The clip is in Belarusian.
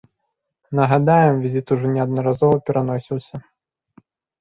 Нагадаем, візіт ужо неаднаразова пераносіўся.